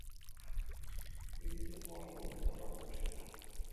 Ibilbide gogorra du etapa nagusiak.